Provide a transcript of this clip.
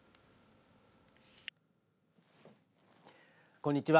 こんにちは。